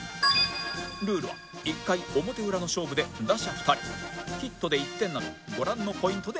ルールは１回表裏の勝負で打者２人ヒットで１点などご覧のポイントで争う